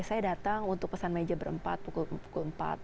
saya datang untuk pesan meja berempat pukul empat